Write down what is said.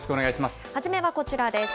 初めはこちらです。